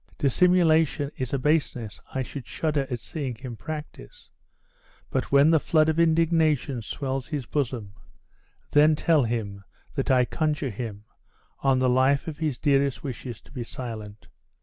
Dissimulation is a baseness I should shudder at seeing him practice; but when the flood of indignation swells his bosom, then tell him, that I conjure him, on the life of his dearest wishes, to be silent!